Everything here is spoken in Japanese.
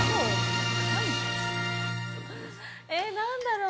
えっ何だろう？